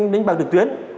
đánh bạc trực tuyến